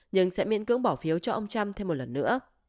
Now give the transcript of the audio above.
nhưng sẽ miễn cưỡng bỏ phiếu cho ông trump thêm một lần nữa